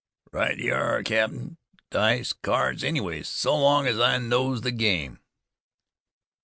"Right yer are, cap'n. Dice, cards, anyways, so long as I knows the game."